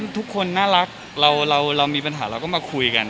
ทุกคนน่ารักเรามีปัญหาเราก็มาคุยกัน